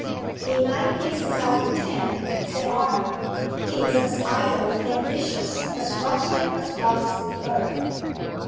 "In nine cases out of ten," said Arnold, "he is as idle and vicious as ruffian as walks the earth."